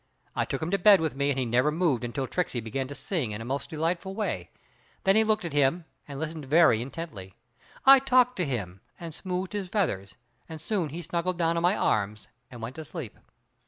I took him to bed with me and he never moved until Tricksey began to sing in a most delightful way, then he looked at him and listened very intently. I talked to him, and "smoothed his feathers," and soon he snuggled down in my arms and went to sleep.